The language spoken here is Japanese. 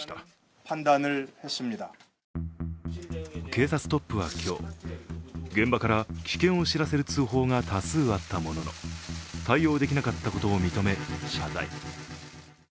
警察トップは今日、現場から危険を知らせる通報が多数あったものの対応できなかったことを認め謝罪。